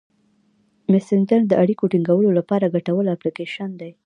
مسېنجر د اړیکو ټینګولو لپاره ګټور اپلیکیشن دی.